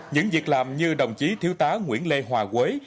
những việc làm như đồng chí thiếu tá nguyễn lê hòa quế